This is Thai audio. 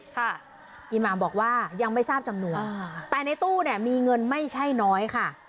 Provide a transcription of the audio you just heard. อีหมามบอกว่ายังไม่ทราบจำนวนแต่ในตู้เนี่ยมีเงินไม่ใช่น้อยค่ะ